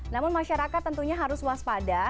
namun masyarakat tentunya harus waspada